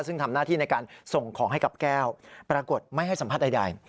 ซึ่งทำหน้าที่ในการส่งของให้กับแก้วปรากฏไม่ให้สัมภาษณ์ใด